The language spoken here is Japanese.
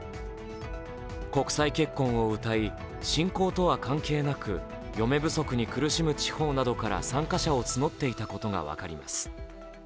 国際結婚をうたい、信仰とは関係なく嫁不足に苦しむ地方などから参加者を募っていたことが分かります。